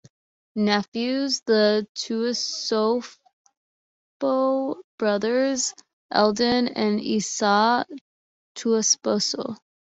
Nephews "The Tuiasosopo Brothers" Eldon and Isaiah Tuiasosopo.